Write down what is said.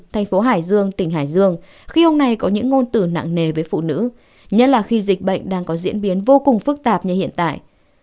thành phố hải dương tỉnh hải dương khi ông này có những ngôn tử nặng nề với phụ nữ nhất là khi dịch bệnh đang có diễn biến vô cùng phức tạp như hiện tại